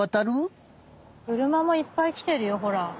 くるまもいっぱいきてるよほら。